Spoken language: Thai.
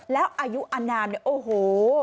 แล้วอายุอนามเนี่ยโอ้โห